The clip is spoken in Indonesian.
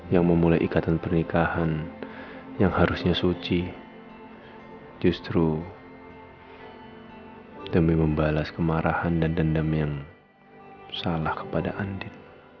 yang memulai ikatan pernikahan yang harusnya suci justru demi membalas kemarahan dan dendam yang salah kepada andi